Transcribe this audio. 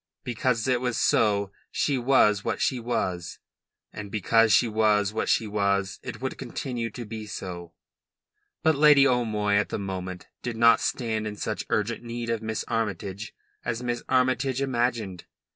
Because it was so she was what she was; and because she was what she was it would continue to be so. But Lady O'Moy at the moment did not stand in such urgent need of Miss Armytage as Miss Armytage imagined.